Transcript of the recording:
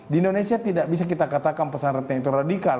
di indonesia tidak bisa kita katakan pesantren itu radikal